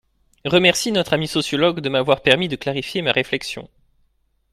Remercie notre ami sociologue de m'avoir permis de clarifier ma réflexion